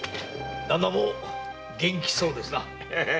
旦那も元気そうですな。